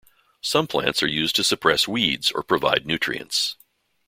Some plants are used to suppress weeds or provide nutrients.